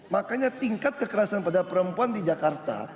makanya tingkat kekerasan pada perempuan di jakarta